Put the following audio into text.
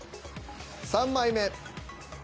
３枚目。